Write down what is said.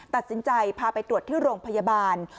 ตัดสินใจพาไปตรวจที่โรงพยาบาล